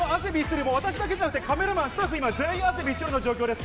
本当に私、汗びっしょり、私だけじゃなくて、カメラマン、スタッフ、全員汗びっしょりの状況です。